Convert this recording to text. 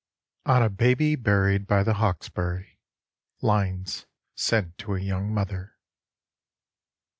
On a Baby Buried by the Hawkesbury [_Lines sent to a Young Mother.